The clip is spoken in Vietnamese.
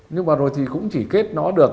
nhưng mà rồi thì cũng chỉ kết nó được